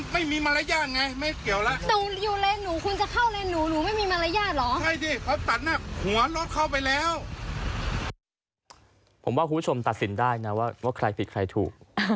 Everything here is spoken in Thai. ผมว่าคุณผู้ชมตัดสินได้นะว่าใครผิดใครถูก